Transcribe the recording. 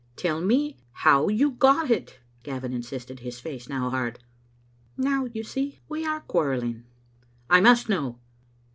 "Tell me how you got it," Gavin insisted, his face now hard. "Now, you see, we are quarrelling." "I must know."